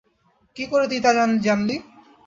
কী করে তুই তা জানলি?